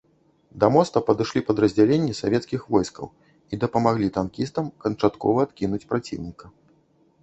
Да моста падышлі падраздзяленні савецкіх войскаў і дапамаглі танкістам канчаткова адкінуць праціўніка.